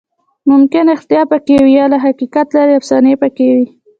ممکن ریښتیا پکې وي، یا له حقیقت لرې افسانې پکې وي.